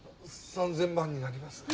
３，０００万になります。